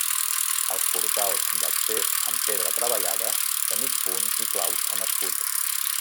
Els portals d'accés amb pedra treballada, de mig punt i claus amb escut.